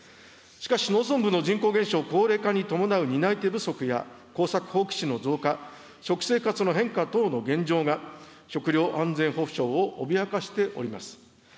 しかし農村部の人口減少、高齢化に伴う担い手不足や、耕作放棄地の増加、食生活の変化等の現状が、食料安全保障を脅かしております。